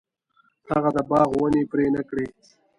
هغه د باغ ونې پرې نه کړې.